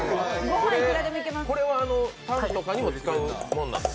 これはタンとかにも使うもんなんですか？